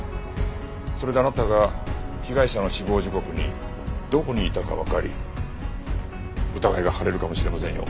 それであなたが被害者の死亡時刻にどこにいたかわかり疑いが晴れるかもしれませんよ。